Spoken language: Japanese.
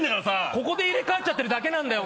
ここで入れ替わっちゃってるだけなんだよ。